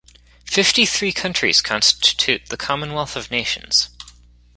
Fifty-three countries constitute the Commonwealth of Nations.